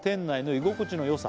「居心地のよさ